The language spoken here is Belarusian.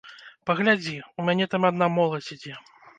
Паглядзі, у мяне там адна моладзь ідзе.